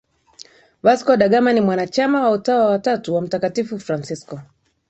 Vasco da Gama ni mwanachama wa Utawa wa Tatu wa Mtakatifu Fransisko